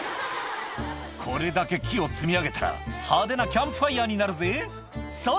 これだけ木を積み上げたら、派手なキャンプファイヤーになるぜ。